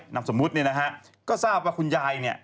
นามสมมุตินี่นะฮะก็ทราบว่าคุณยาย